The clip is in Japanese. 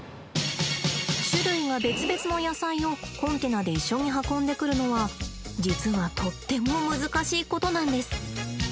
種類が別々の野菜をコンテナで一緒に運んでくるのは実はとっても難しいことなんです。